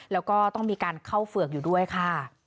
แล้วก็ต้องมีการเข้าเฝือกอยู่ด้วยค่ะ